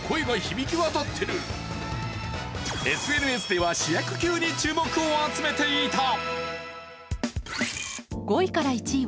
ＳＮＳでは主役級に注目を集めていてた。